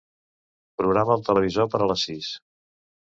Programa el televisor per a les sis.